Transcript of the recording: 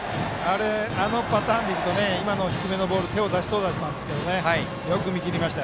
あのパターンでいくと今の低めのボール手を出しそうだったんですがよく見切りました。